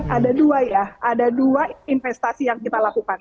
ada dua ya ada dua investasi yang kita lakukan